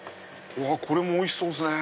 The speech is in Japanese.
これもおいしそうっすね！